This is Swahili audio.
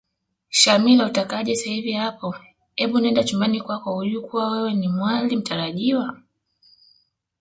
Shamila utakaje sahivi hapa ebu nenda chumbani kwako hujui kuwa wewe Ni mwali mtarajiwa